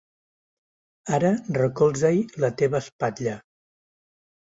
Ara recolza-hi la teva espatlla.